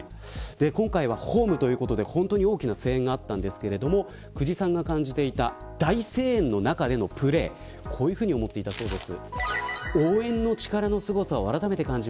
今回はホームということで本当に大きな声援があったんですが久慈さんが感じていた大声援の中でのプレーこういうふうに思っていたそうです。